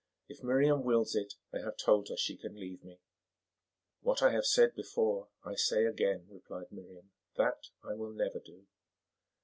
If Miriam wills it, I have told her she can leave me." "What I have said before I say again," replied Miriam, "that I will never do."